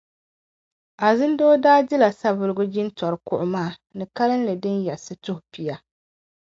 Azindoo daa dila Savulugu jintɔri kuɣa maa ni kalinli din yiɣisi tuh' pia.